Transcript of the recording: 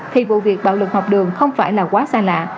thì vụ việc bạo lực học đường không phải là quá xa lạ